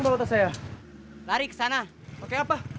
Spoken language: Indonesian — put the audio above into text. bacaan saya mau dibawa ke mana